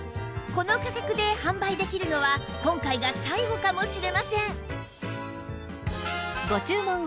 この価格で販売できるのは今回が最後かもしれません！